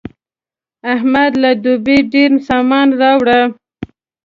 احمد له دوبۍ ډېر سامان راوړ.